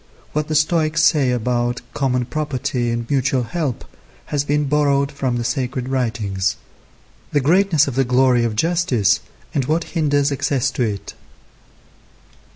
What the Stoics say about common property and mutual help has been borrowed from the sacred writings. The greatness of the glory of justice, and what hinders access to it.